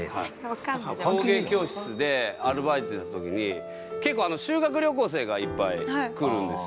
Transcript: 陶芸教室でアルバイトやってた時に結構修学旅行生がいっぱい来るんですよ。